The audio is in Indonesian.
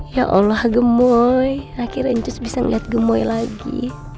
ya allah gemoy akhirnya terus bisa ngeliat gemoy lagi